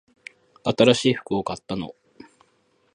新しい服を買ったの？